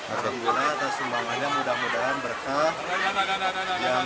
alhamdulillah atas sumbangannya mudah mudahan berkah